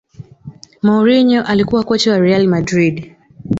mourinho alikuwa kocha wa real madrid